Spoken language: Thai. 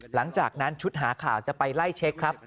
หลังจากนั้นชุดหาข่าวจะไปไล่เช็คครับ